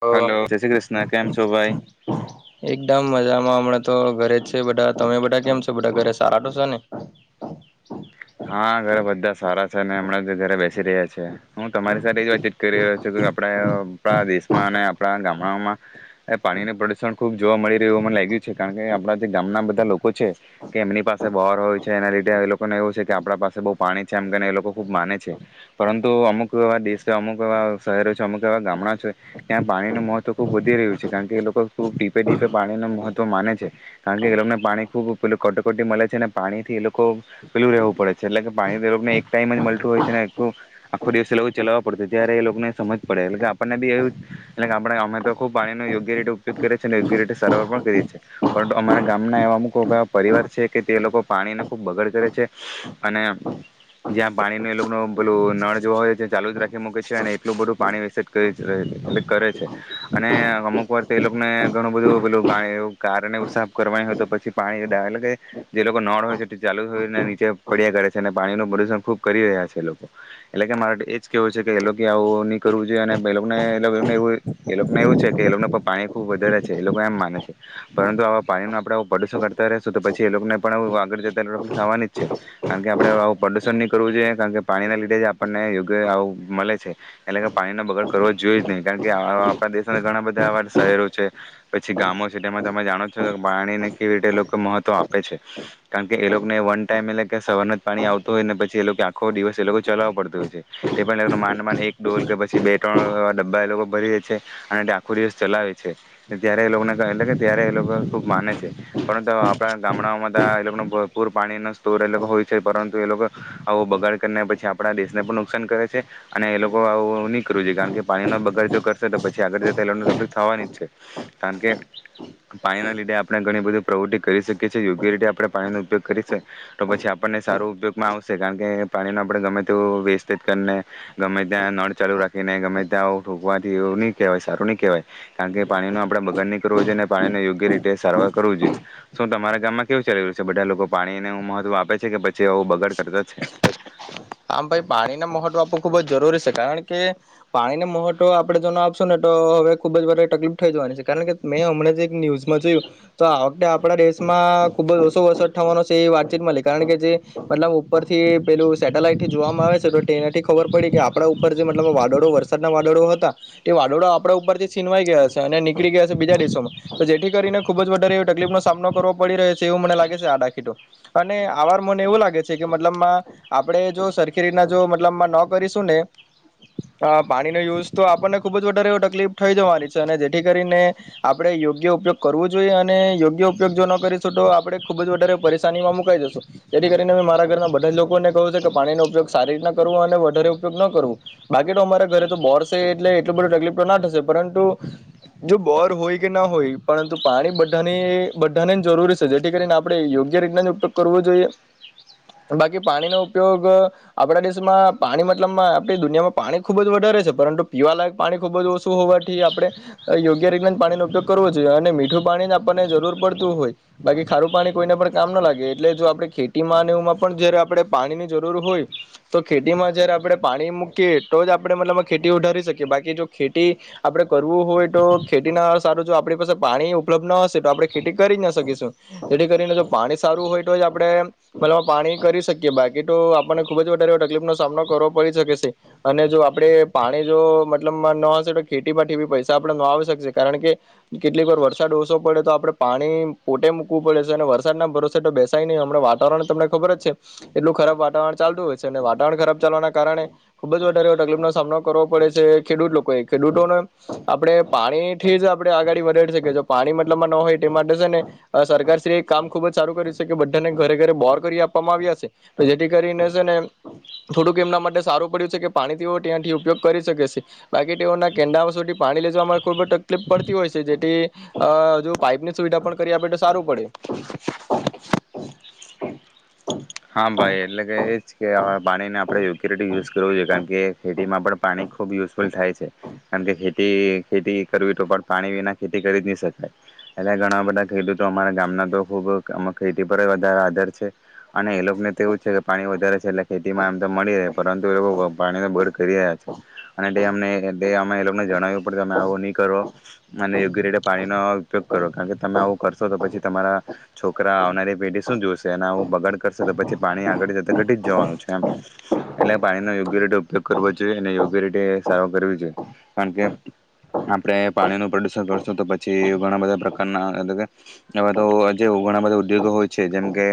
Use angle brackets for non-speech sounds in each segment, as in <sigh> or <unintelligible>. Hello જય શ્રી કૃષ્ણ કેમ છો ભાઈ એકદમ મજામાં હમણાં તો ઘરે જ છે બધા તમે બધા કેમ છો બધા ઘરે સારા તો છે ને? હા ઘરે બધા સારા છે અને હમણાં ઘરે બેસી રહ્યા છે. હું તમારી સાથે એ જ વાતચીત કરી રહ્યો છું કે આપણે આપણા દેશમાં અને આપણા ગામડાઓમાં એ પાણીનું પ્રદુષણ ખૂબ જોવા મળી રહ્યું એવું મને લાગ્યું છે કારણ કે આપણા જે ગામના બધા લોકો છે કે એમની પાસે બોર હોય છે એના લીધે લોકોને એવું છે ત્યા આપણા પાસે બહુ પાણી છે એમ કરીને એ લોકો ખૂબ માને છે પરંતુ અમુક એવા દેશ છે અમુક એવા શહેરો છે અમુક એવા ગામડાં છે ત્યાં પાણીનું મહત્વ ખૂબ વધી રહ્યું છે કારણ કે એ લોકો ખૂબ ટીપે-ટીપે પાણીનું મહત્વ માને છે કારણ કે એ લોકોને પાણી ખૂબ પેલું કટોકટી મળે છે અને પાણીથી એ લોકો પીલું રહેવું પડે છે એટલે કે પાણી તો એ લોકને એક ટાઈમ જ મળતું હોય છે ને આખું આખું દિવસે એ લોકો ચલાવવા પડતું ત્યારે એ લોકોને સમજ પડે એટલે આપણને બી એવી એટલે આપણે અમે તો ખુબ પાણીનો યોગ્ય રીતે ઉપયોગ કરીએ છે ને યોગ્ય રીતે સારવાર પણ કરીએ છીએ પરંતુ અમારા ગામના એવા અમુક પરિવાર છે કે તે લોકો પાણીને ખૂબ બગડ કરે છે અને જ્યાં પાણી ને એ લોકોનો પેલું નળ જેવો હોય છે જ ચાલુ જ રાખી મૂકે છે અને એટલું બધું પાણી વેસ્ટેજ કરી રહે છે એટલે કરે છે. અને અમુક વાર તો એ લોકોને ઘણું બધું પેલું કારને એવુ સાફ કરવા હોય તો પછી પાણી એ કે જે લોકો નળ હોય છે ચાલુ જ હોયને નીચે પડિયા કરે છે અને પાણીનું પ્રદુષણ ખુબ કરી રહ્યા છે એ લોકો એટલે કે મારે તો એ જ કેવું છે કે એ લોકે આવું ની કરવું જોઈએ અને એ લોકો એ લોકોને એવું છે કે એ લોકોને પાણી ખુબ વધારે છે એ લોકો એમ માને છે પરંતુ આવા પાણી ના આપણેે પ્રદુષણ કરતા રેશું તો પછી એ લોકોને પણ આગળ જતા થવાની જ છે. કારણ કે આપડે આવું પ્રદુષણ નહી કરવું જોઈએ કારણ કે પાણીના લીધે જ આપણને યોગ્ય આવું મળે છે એટલે કે પાણીનો બગાડ કરવો જોઈએ જ નહીં કારણ કે આપણા દેશ ઘણા બધા આવા શહેરો છે પછી ગામો છે તેમાં તમે જાણો છો પાણીને કેવી રીતે લોકો મહત્વ આપે છે કારણ કે એ લોકોને વન ટાઈમ એટલે કે સવારના જ પાણી આવતું હોય ને પછી એ લોકે આખો દિવસ એ લોકો ચલાવું પડતું હોય છે. તે પણ એ લોકને માન માન એક ડોલ કે પછી બે ત્રણ ડબ્બા એ લોકો ભરી દે છે અને તે આખો દિવસ ચલાવે છે. ત્યારે એ લોકોને એટલે કે ત્યારે એ લોકો ખુબ માને છે પરંતુ આપણા ગામડાઓમાં તાં એ લોકો ભરપૂર પાણી નો બોર એ લોકો ને હોય છે પરંતુ એ લોકો આવો બગાડ કરીને પછી આપણા દેશને પણ નુકસાન કરે છે અને એ લોકો આવું નહી કરવું જોઈએ કારણ કે પાણીનો બગાડ જો કરશે તો પછી આગળ જતા એ લોકો તફલીફ થવાની જ છે કારણ કે પાણીના લીધે આપણે ઘણી બધી પ્રવૃત્તિ કરી શકીએ છે. યોગ્ય રીતે આપણે પાણીનો ઉપયોગ કરીશ તો પછી આપણને સારું ઉપયોગમાં આવશે કારણ કે પાણીનો આપણે ગમે તેવું વેસ્ટેજ કરીને ગમે ત્યાં નળ ચાલુ રાખીને ગમે ત્યાં થુંકવાથી એવું નહી કહેવાય સારું નહી કહેવાય કારણ કે પાણીનો આપણેે બગાડ નઈ કરવો જોઈએ ને પાણીને યોગ્ય રીતે સારવાર કરવું જોઈએ શું તમારા ગામમાં કેવું ચાલી રહ્યું છે બધા લોકો પાણી ને એવું મહત્વ આપે છે કે પછી આવું બગાડ કરતો છે. હા ભાઈ પાણીને મહત્વ આપવો ખુબ જ જરૂરી છે કારણ કે પાણીને મહત્વ આપડે જો ન આપશું ને તો હવે ખુબ જ વધારે તકલીફ થઈ જવાની છે. કારણ કે મેં હમણા જ એક ન્યૂઝ માં જોયું તો આ વખતે આપણા દેશમાં ખુબ જ ઓછો વરસાદ થવાનો છે એવી વાતચીત મલી કારણ કે જે મતલબ ઉપરથી પેલું સેટલાઇટ માપવામાં આવે છે તો તેનાથી ખબર પડી કે આપણા ઉપર જે મતલબ વાદળો વરસાદના વાદળો હતા તે વાદળો આપડા ઉપરથી છીનવાઈ ગયા છે અને નીચ નીકળી ગયા છે બીજા દેશોમાં તો જેથી કરીને ખુબ જ વધારે એ તકલીફ નો સામનો કરવો પડી રહ્યો છે એવું મને લાગે છે આ ડાખીટો અને આવાર મને એવું લાગે છે કે મતલબમાં આપડે જો સરખી રીતના જો મતલબમાં ન કરીશું ને તો પાણીનો યુઝ તો આપણને ખુબ જ વધારે એવુ તકલીફ થઈ જવાની છે અને જેથી કરીને આપણેે યોગ્ય ઉપયોગ કરવો જોઈએ અને યોગ્ય ઉપયોગ જો ન કરીશું તો આપણે ખુબ જ વધારે પરેશાનીમાં મુકાઈ જશું જેથી કરીને મે મારા ઘરના બધા જ લોકોને કહું છે કે પાણીનો ઉપયોગ સારી રીતના કરવો અને વધારે ઉપયોગ ન કરવો બાકી તો અમારા ઘરે તો બોર છે એટલે એટલું બધું તકલીફ તો ના થશે પરંતુ જો બોર હોય કે ના હોય પરંતુ પાણી બધાની બધાને જ જરૂરી છે જેથી કરીને આપણે યોગ્ય રીતના જ ઉપયોગ કરવો જોઈએ બાકી પાણીનો ઉપયોગ આપડા દેશમાં પાણી મતલબમાં આપણી દુનિયામાં પાણી ખુબ જ વધારે છે પરંતુ પીવાલાયક પાણી ખુબ જ ઓછું હોવાથી આપણેે યોગ્ય રીતના જ પાણીનો ઉપયોગ કરવો જોઈએ અને મીઠું પાણી આપણને જરૂર પડતું હોય બાકી ખારું પાણી કોઈને પણ કામ ના લાગે એટલે જો આપણે ખેતીમાં ને એવુમાં પણ જયારે આપણે પાણીની જરૂર હોય તો ખેતીમાં જયારે આપણે પાણી મૂકીએ તો જ આપણે મતલબ ખેતી ઉ ધારી શકીએ બાકી જો ખેતી આપે કરવું હોય તો ખેતી ના સારું જો આપણી પાસે પાણી ઉપલબ્ધ ન હશે તો આપણે ખેતી કરી જ ના શકીશું જેથી કરીને જો પાણી સારું હોય તો જ આપણે મતલબ પાણી કરી શકીએ કે બાકી તો આપણને ખુબ જ વધારે એવો તકલીફનો સામનો કરવો પડી શકે છે. અને જો આપડે પાણી જો મતલબ ન હશે તો ખેતીમાંથી બી પૈસા આપડે ન આવી શકશે. કારણ કે કેટલીક વાર વરસાદ ઓસો પડે તો આપડે પાણી પોતે મૂકવું પડે છે, અને વરસાદના ભરોસે તો બેસાય નહીં હમણા વાતાવરણ તમને ખબર જ છે. એટલું ખરાબ વાતાવરણ ચાલતું હોય છે ને વાતાવરણ ખરાબ ચાલવાના કારણે ખુબ જ વધારે તકલીફનો સામનો કરવો પડે છે. ખેડૂત લોકોએ ખેડૂતોને આપડે પાણીથી જ આપડે આગડી વધાડી શકે છે. પાણી મતલબમાં ન હોય તે માટે શે ને સરકાર શ્રી કામ ખુબ જ સારું કરી શકે બધાને ઘરે-ઘરે બોર કરી આપવામાં આવ્યા છે. કે જેથી કરીને શે ને થોડુંક એમના માટે સારું પડ્યું છે કે, પાણી તેઓ ત્યાંથી ઉપયોગ કરી શકે છે. બાકી તેઓના કેંડાઓ સુધી પાણી લઈ જાવામાં ખુબ જ તકલીફ પડતી હોય શે, જેથી અ જુ પાઈપની સુવિધા પણ કરી આપે તો સારું પડે. હા, ભાઈ એટલે કે એજ કે અવે પાણીને આપડે યોગ્ય રીતે યુઝ કરવું જોઈએ. કારણ કે ખેતીમાં પણ પાણી ખૂબ યૂસફુલ થાય છે. અન તે ખે તી ખેતી કરવી તો પણ પાણી વિના ખેતી કરી જ ની શકાય. એટલે ઘણા બધા ખેડૂતો અમારા ગામના તો ખૂબ ખેતી પર વધારે આધાર છે. અને એ લોકોને તો એવું છે કે પાણી વધારે છે. એટલે ખેતીમાં એમ મળીયે પરંતુ એ લોકો પાણીને બળ કરી રહ્યા છે. અને તે અમને અમે એ લોકોને જણાવ્યું પડ તમે આવું નહી કરો. અને યોગ્ય રીતે પાણીનો ઉપયોગ કરો કારણ કે તમે આવું કરશો તો પછી તમારા છોકરા આવનારી પેઢી શું જોશે અને આવું બગાડ કરશે તો પછી પાણી આગળ જત ઘટી જ જવાનું છે એમ. એટલે પાણીનો‌ યોગ્ય રીતે ઉપયોગ કરવો જોઈએ ને યોગ્ય રીતે સારો કરવી જોઈએ. કારણ કે આપડે પાણીનું પ્રદુષણ કરશું તો પછી ઘણા બધા પ્રકારના એટલે કે એવા તો જે ઘણા બધા ઉદ્યોગો હોય છે. જેમ કે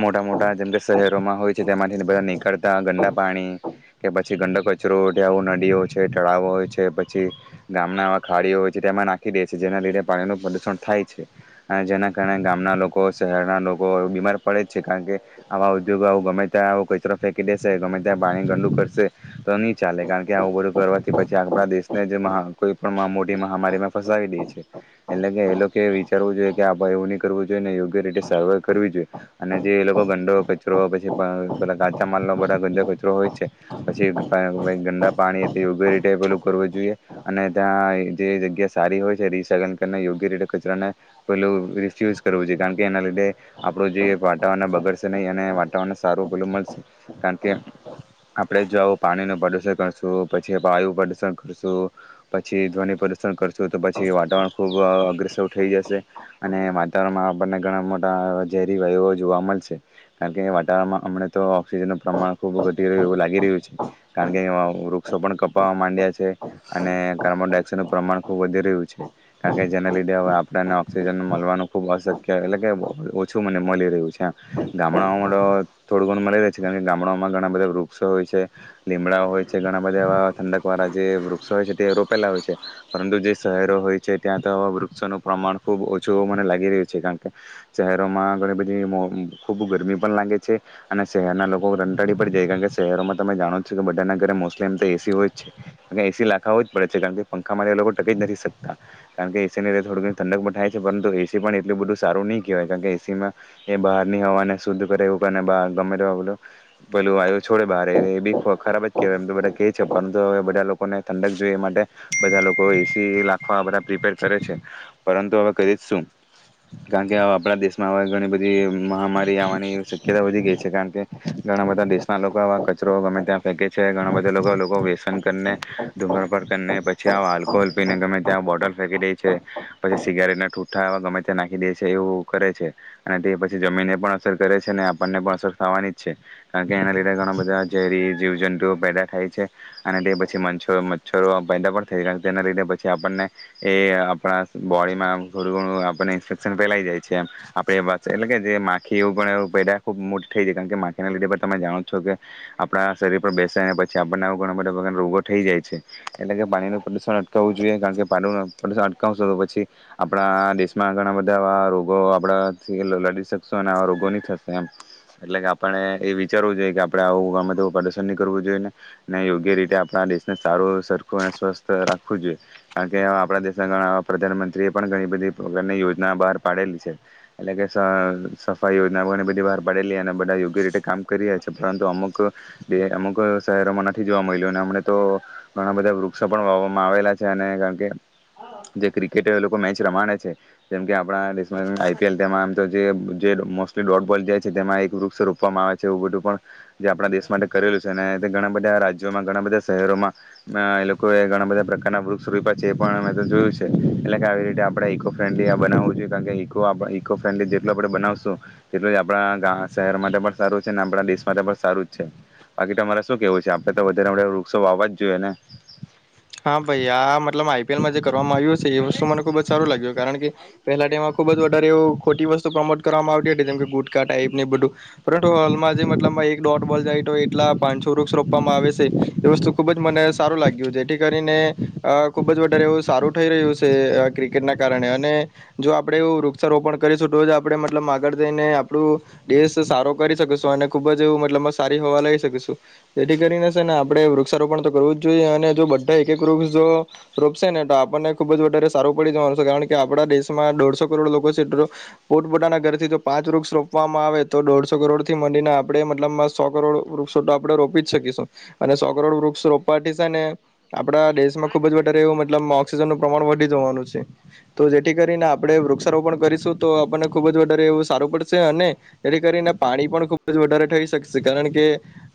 મોટા મોટા જેમ કે શહેરોમાં હોય છે. તેમાંથી બધા નીકળતા ગંદા પાણી કે પછી ગંંદો કચરો આવ નદીઓ છે. તળાવો હોય છે, પછી ગામના ખાડીઓ હોય છે, તેમાં નાખી દે છે. જેના લીધે પાણીનું પ્રદુષણ થાય છે. અને જેના કારણે ગામના લોકો શહેરના લોકો બીમાર પડે છે. કારણ કે આવા ઉદ્યોગો આવ ગમે ત્યાં કચરો ફેકી દેશે ગમે ત્યાં પાણી ગંદું કરશે તો નની ચાલે, કારણ કે આવું બધું કરવાથી પછી આપડા દેશને જ કોઈ પણ મોટી મહામારીમાં ફસાવી દે છે. એટલે કે એ લોકો વિચારવું જોઈએ કે આ એવું નહી કરવું જોઈએ ને યોગ્ય રીતે સારવાર કરવી જોઈએ. અને જે એ લોકો ગંંદો કચરો પછી પ કાચા માલનો બધા ગંદા કચરો હોય જ છે, પછી ગંદા પાણી એ તે યોગ્ય રીતે પેલું કરવું જોઈએ. અને ત્યાં જે જગ્યા સારી હોય છે, રીસાયકલ કરીને યોગ્ય રીતે કચરાને પેલું રિફ્યુઝ કરવું જોઈએ કારણ કે એના લીધે આપડુ જે વાતાવરણને બગડશે નહીં અને વાતાવરણને સારું પેલું મળશે. કારણ કે આપડે જો આવું પાણીનું પ્રદુષણ કરશું પછી, વાયુ પ્રદુષણ કરશું પછી ધ્વનિ પ્રદૂષણ કરશું, તો પછી વાતાવરણ ખૂબ અગ્રેસર થઈ જશે, અને વાતાવરણમાં આપણને ઘણા મોટા ઝેરી વાયુઓ જોવા મળશે. કારણ કે વાતારણમાં હમણાં તો ઑક્સિજનનું પ્રમાણ ખૂબ વધી રહ્યું એવું લાગી રહ્યું છે. કારણ કે વૃક્ષો પણ કપાવવા માંડ્યા છે. અને કાર્બન ડાયોક્સાઇડ નું પ્રમાણ ખૂબ વધી રહ્યું છે. કારણ કે જેના લીધે હવે આપડેને ઑક્સિજન મળવાનું ખૂબ અશક્ય એટલે કે ઓછું મને મળી રહ્યું છે. ત્યા ગામડાઓમાં થોડું ઘણ મળી રહે છે. કારણ કે ગામડાઓમાં ઘણા બધા વૃક્ષો હોય છે લીમડાઓ હોય છે. ઘણા બધા એવા ઠંડક વાળા જે વૃક્ષો હોય છે તે રોપેલા હોય છે. પરંતુ જે શહેરો હોય છે, ત્યાં તો આવા વૃક્ષોનું પ્રમાણ ખૂબ ઓછું મને લાગી રહ્યું છે. કારણ કે શહેરોમાં ઘણી બધી મો ખૂબ ગરમી પણ લાગે છે, અને શહેરના લોકો કંટાળી પડી જાય છે. કારણ કે શહેરોમાં તમે જાણો છો કે બધાના ઘરે મોસ્ટલી એમ તો એસી હોય જ છે અને એસી લખાવીજ પડે છે. કારણ કે પંખામાં એ લોકો ટકી જ નથી શકતા. કારણ કે એસી ની થોડુ ઘણું ઠંડક થાય છે. પરંતુ એસી પણ એટલું બધું સારું ની કહેવાય કારણ કે એસીમાં એ બહારની હવાને શુદ્ધ કરે એવું બ ગમે તોલું પેલું વાયુ છોડે બહાર એ બી ખરાબ જ કેહેવાય એમ તો બધા કે છે. પરંતુ હવે બધા લોકોને ઠંડક જોઈ માટે બધા લોકો એસી રાખવા બધા પ્રિપેર કરે છે. પરંતુ હવે કરી શું ગાંજે આપડા દેશમાં હવે ઘણી જે મહામા આવાની શક્યતા વધી ગઈ છે. કારણ કે ઘણા બધા દેશના લોકો આવા કચરો ગમે ત્યાં ફેંકે છે. ઘણા બધા લોકો લોકો વ્યસન કરીને ધુમ્રપાન કરીને પછી આવા આલ્કોહોલ પીને ગમે ત્યાં બોટલ ફેંકી દેય છે. પછી સિગારેટને ઠૂઠાવા ગમે ત્યાં નાખી દે છે એવું કરે છે. અને તે પછી જમીનને પણ અસર કરે છે. અને આપણને પણ અસર થવાની જ છે. કારણ કે એના લીધે ઘણા બધા ઝેરી જીવજંતુઓ પેદા થાય છે. અને તે પછી મ્છ મચ્છરો પેદા પણ થાય છે. કારણ કે તેના લીધે પછી આપણને એ આપણા બોડીમાં ઘણું ઘણું આપણને ઇન્ફેક્શન ફેલાઈ જાય છે. આપડે વા એટલે કે જે માખી એવું પણ એ પેદા ખૂબ મોટી થઈ જાય. કારણ કે માખીના લીધે પણ તમે જાણો છો કે આપડા શરીર પર બેસે ને પછી આપણને એ ઘણા બધા પ્રકારના રોગો થઈ જાય છે. એટલે કે પાણીનું પ્રદૂષણ અટકાવવું જોઈએ કારણ કે પાણીનું પ્રદુષણ અટકાવશો તો પછી આપડા દેશમાં ઘણા બધા રોગો આપડા એ લ લડીસ સોના રોગોની થશે એમ. એટલે કે આપણે એ વિચારવું જોઈએ કે આપડે આવું ગમે તેવું ની પ્રદર્શન કરવું જોઈ. ને યોગ્ય રીતે આપણા દેશને સારું સરખું અને સ્વસ્થ રાખવું જોઈએ. કારણ કે આપડા દેશના ઘણા પ્રધાનમંત્રી એ પણ ઘણી બધી પ્રકારની યોજના બહાર પાડેલી છે. એટલે કે સા સફાઈ યોજના બને બધી બહાર પાડેલી અને બધા યોગ્ય રીતે કામ કરી રહ્યા છે. પરંતુ અમુક ક અમુક શહેરોમાં નથી જોવા મળ્યું અને હમને તો ઘણા બધા વૃક્ષો પણ વાવામાં આવેલા છે. અને કારણ કે જે ક્રિકેટે લોકો મેચ રમાડે છે. જેમ કે આપણા દેશ <unintelligible> આમ તો જે જે મોસ્ટલી ડોટ બોલ જાય છે. તેમાં એક વૃક્ષ રોપવામાં આવે છે. એવું બધું પણ જે આપડા દેશ માટે કરેલું છે અને ઘણા બધા રાજ્યોમાં, ઘણા બધા શહેરોમાં એ લોકો ઘણા બધા પ્રકારના વૃક્ષ રોપ્યા છે. એ પણ અ જોયું છે. એટલે કે આવી રીતે આપડે ઈકો ફ્રેન્ડલી બનાવું જોઈએ કાર આપ ઇકો ફ્રેન્ડલી જેટલું આપડે બનાવશું તેટલું જ આપણા ગ શહેર માટે પણ સારું છે. ને આપણા દેશ માટે પણ સારું છે બાકી તમારે શું કેવું છે. આપડે તો વધારે વૃક્ષો વાવા જ જોઈએ ને. હા ભાઈ આ મતલબ આઈ પી એલ માં જે કરવામાં આવ્યું છે. એ વસ્તુ મને ખુબ જ સારું લાગ્યું. કારણ કે પેલા ટેમાં ખુબ જ વધારે એવું ખોટી વસ્તુ પ્રમોટ કરવામાં આવતી હતી. જેમકે ગુટકા ટાઈપ ને બધું પરંતુ હાલમાં જે મતલબમાં એક ડોટ બોલ જાય તો એટલા પાંચસો વૃક્ષ રોપવામાં આવે છે. એ વસ્તુ ખુબ જ મને સારું લાગ્યું જેથી કરીને અ ખુબ જ વધારે એવું સારું થઈ રહ્યું છે આ ક્રિકેટના કારણે અને જો આપડે એવું વૃક્ષારોપણ કરીશું તો જ આપડે મતલબ આગળ જઈને આપડુ દેશ સારો કરી શકી શકું શું અને ખુબ જ મતલબમાં સારી હવા લઈ શકુ શું જેથી કરીને છે ને આપણે વૃક્ષારોપણ તો કરવું જ જોઈએ અને જો બ એક એક વૃક્ષ જો રોપશે ને તો આપણને ખુબ જ વધારે સારું પડી જવાનું છે કારણ કે આપડા દેશમાં દોઢસો કરોડ લોકો છે પોતપોતાના ઘરથી જો પાંચ વૃક્ષ રોપવામાં આવે તો દોઢસો કરોડથી મડીને આપડે મતલબમાં સો કરોડ વૃક્ષો તો આપડે રોપી જ શકીશું અને સો કરોડ વૃક્ષ રોપવાથી છે ને આપડા દેશમાં ખૂબ જ વધારે એવું મતલબ ઓક્સિજનનું પ્રમાણ વધી જવાનું છે. તો જેથી કરીને આપડે વૃક્ષારોપણ કરીશું તો આપણને ખુબ જ વધારે એવું સારું પડશે અને જેથી કરીને પાણી પણ ખૂબ જ વધારે થઈ શકશે કારણ કે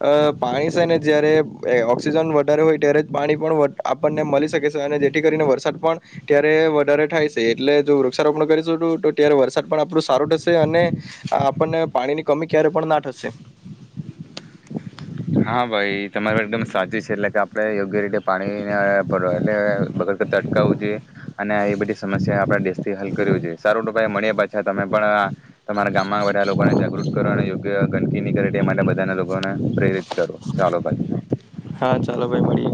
અ પાણી છે ને જયારે ઓક્સિજન વધારે હોય ત્યારે પાણી પણ આપણને મળી શકે છે અને જેથી કરીને વરસાદ પણ ત્યારે વધારે થાય છે એટલે જો વૃક્ષારોપણ કરીશું તો તો ત્યારે વરસાદ પણ આપડુ સારું થશે અને આપણને પાણીની કમી ક્યારે પણ ના થશે. હા ભાઈ એ તમારે એકદમ સાચી છે એટલે કે આપડે યોગ્ય રીતે પાણી એટલેગર <unintelligible> તટકાવવું જોઈએ અને એ બધી સમસ્યા આપડા દેશથી હલ કરવું જોઈએ સારું તો પહી મળીએ પાછા તમે પણ તમારા ગામમાં બધા લોકોને જાગૃત કરો અને યોગ્ય ગંદકી ની કરે તે માટે બધાના લોકોને પ્રેરિત કરો ચાલો ભાઈ હા ચાલો ભાઈ મળીએ.